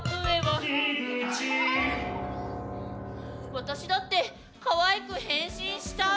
私だってかわいく変身したい！